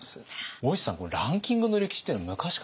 大石さんランキングの歴史っていうのは昔からあったんですね。